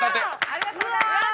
ありがとうございます。